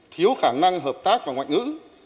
có khả năng hợp tác và ngoại ngữ